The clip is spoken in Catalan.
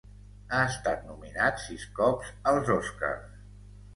Ha estat nominat sis cops als Oscars.